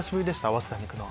早稲田行くの。